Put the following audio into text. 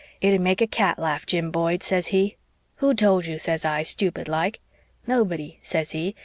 It'd make a cat laugh, Jim Boyd,' says he. 'Who told you?' says I, stupid like. 'Nobody,' says he.